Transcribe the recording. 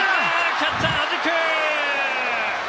キャッチャー、はじく！